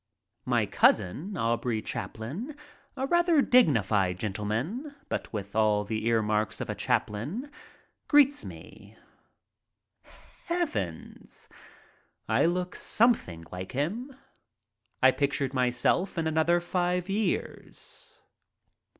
My cousin, Aubrey Chaplin, a rather dignified gentleman, but with all the earmarks of a Chaplin, greets me. Heavens! I look something like him. I picture myself in another five years.